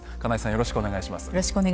よろしくお願いします。